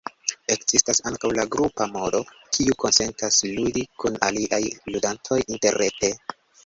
Ekzistas ankaŭ la "grupa modo", kiu konsentas ludi kun aliaj ludantoj interrete.